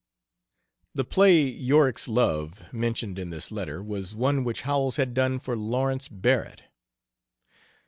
The play, "Yorick's Love," mentioned in this letter, was one which Howells had done for Lawrence Barrett.